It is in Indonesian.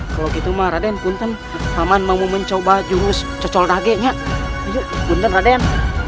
kalau gitu marah dan punten paman mau mencoba jurus cocok dagenya yuk beneran